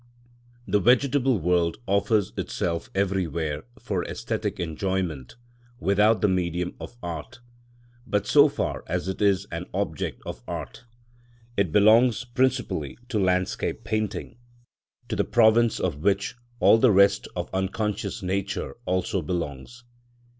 The vegetable world offers itself everywhere for æsthetic enjoyment without the medium of art; but so far as it is an object of art, it belongs principally to landscape painting; to the province of which all the rest of unconscious nature also belongs.